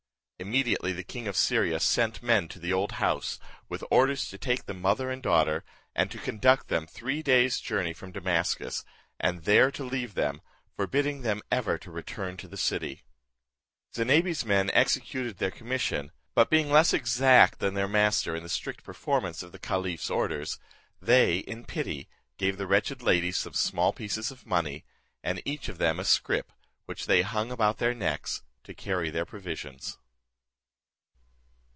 Immediately the king of Syria sent men to the old house, with orders to take the mother and daughter, and to conduct them three days' journey from Damascus, and there to leave them, forbidding them ever to return to the city. Zinebi's men executed their commission, but being less exact their master, in the strict performance of the caliph's orders, they in pity gave the wretched ladies some small pieces of money, and each of them a scrip, which they hung about their necks, to carry their provisions.